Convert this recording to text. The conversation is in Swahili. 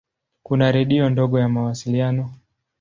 Kuna redio ndogo ya mawasiliano.